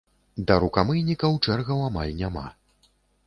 Да рукамыйнікаў чэргаў амаль няма.